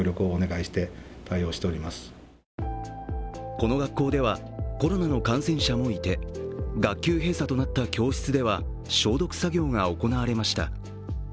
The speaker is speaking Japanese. この学校ではコロナの感染者もいて、学級閉鎖となった教室では消毒作業が行われました。